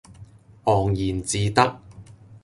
昂然自得